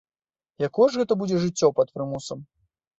Якое ж гэта будзе жыццё пад прымусам?